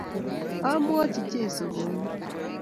Amwachi Jesu kongoi